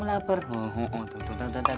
enggak saya yang kekenyangan